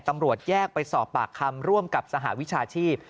ตำรวจแยกไปสอบปากคำร่วมกับสหวิชาชีพ